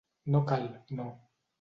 No cal, no.